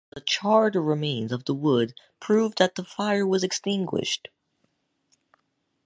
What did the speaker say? The charred remains of the wood prove that the fire was extinguished.